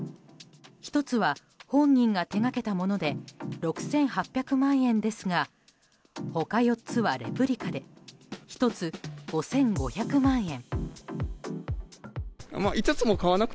１つは本人が手掛けたもので６８００万円ですが他４つはレプリカで１つ５５００万円。